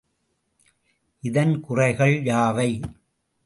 இதன் குறைகள் யாவை?